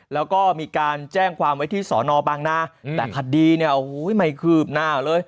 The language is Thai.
แล้วก็มีการแจ้งความวัยที่สอนอล์บางนาแต่พัดดีเนี่ยไม่คืบหน้าเลย